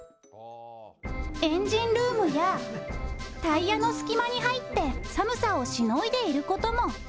エンジンルームや、タイヤの隙間に入って寒さをしのいでいることも。